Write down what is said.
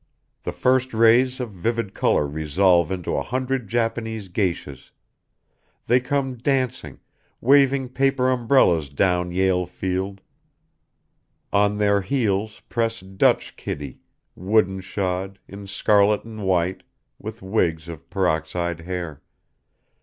The first rays of vivid color resolve into a hundred Japanese geishas; they come dancing, waving paper umbrellas down Yale Field; on their heels press Dutch kiddie, wooden shod, in scarlet and white, with wigs of peroxide hair.